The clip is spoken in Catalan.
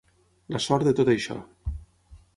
La sort de tot això.